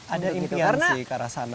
ada impian sih ke arah sana